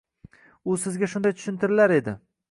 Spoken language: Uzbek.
U sizga shunday tushuntirilar edi.